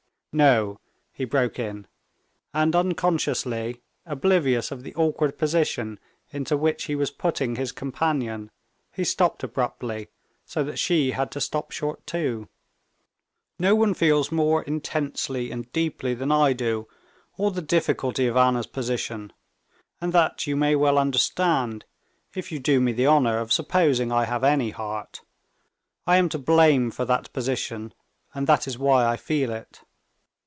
"No," he broke in, and unconsciously, oblivious of the awkward position into which he was putting his companion, he stopped abruptly, so that she had to stop short too. "No one feels more deeply and intensely than I do all the difficulty of Anna's position; and that you may well understand, if you do me the honor of supposing I have any heart. I am to blame for that position, and that is why I feel it."